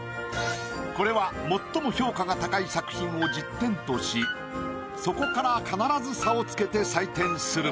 これは最も評価が高い作品を１０点としそこから必ず差をつけて採点する。